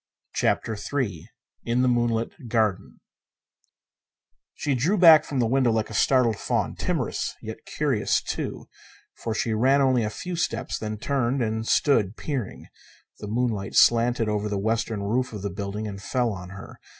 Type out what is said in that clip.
CHAPTER III In a Moonlit Garden She drew back from the window like a startled fawn; timorous, yet curious, too, for she ran only a few steps, then turned and stood peering. The moonlight slanted over the western roof of the building and fell on her.